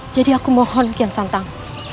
jadi aku mohon hukian santang